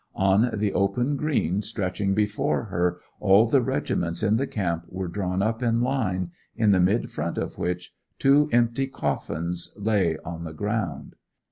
On the open green stretching before her all the regiments in the camp were drawn up in line, in the mid front of which two empty coffins lay on the ground.